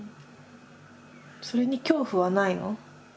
それに恐怖はないの？